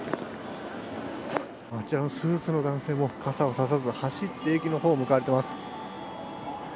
あちらのスーツの男性も傘を差さずに走って駅の方に向かっています。